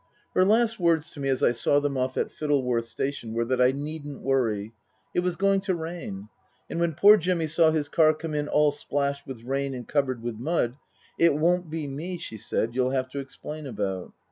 Her last words to me as I saw them off at Fittleworth Station were that I needn't worry. It was going to rain. And when poor Jimmy saw his car come in all splashed with rain and covered with mud " It won't be me," she said, " you'll have to explain about."